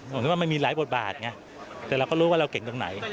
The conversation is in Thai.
ผมคิดว่ามันมีหลายบทบาทไงแต่เราก็รู้ว่าเราเก่งตรงไหน